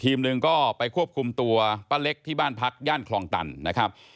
หนึ่งก็ไปควบคุมตัวป้าเล็กที่บ้านพักย่านคลองตันนะครับ